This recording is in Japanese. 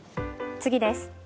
次です。